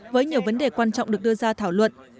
với nhiều vấn đề quan trọng được đưa ra thảo luận